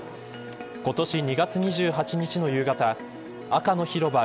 今年２月２８日の夕方赤の広場